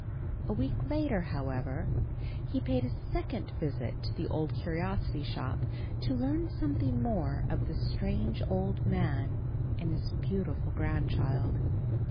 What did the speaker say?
A week later, however, he paid a second visit to the Old Curiosity Shop to learn something more of the strange old man and his beautiful grandchild.